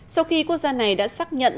sau khi quốc gia này đã xác nhận